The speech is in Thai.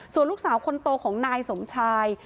ส่วนลูกสาวคนโตของนายสมชาย